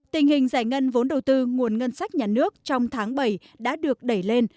tình hình giải ngân vốn đầu tư nguồn ngân sách nhà nước trong tháng bảy đã được đẩy lên